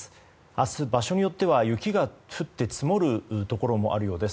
明日、場所によっては雪が降っても積もるところもあるようです。